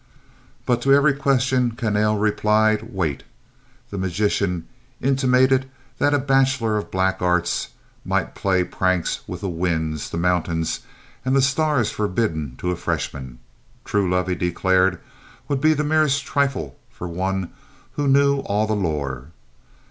But to every question Kahnale replied, "Wait." The magician intimated that a bachelor of black arts might play pranks with the winds, the mountains and the stars forbidden to a freshman. True love, he declared, would be the merest trifle for one who knew all the lore.